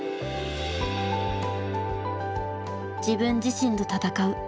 自分自身と闘う一人。